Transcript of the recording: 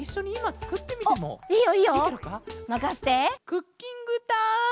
クッキングタイム！